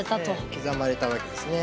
刻まれたわけですね。